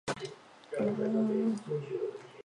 落叶乔木。